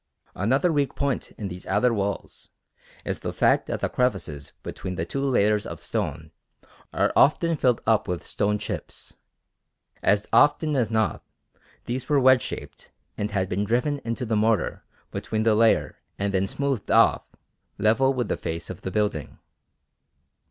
Another weak point in these outer walls is the fact that the crevices between the two layers of stone are often filled up with stone chips. As often as not these were wedge shaped and had been driven into the mortar between the layer and then smoothed off level with the face of the building.